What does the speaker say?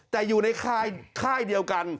แต่อยู่ในค่ายเดียวกัน